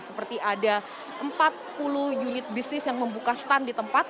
seperti ada empat puluh unit bisnis yang membuka stand di tempat